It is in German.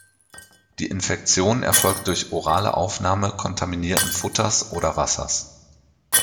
Die Infektion erfolgt durch orale Aufnahme kontaminierten Futters oder Wassers.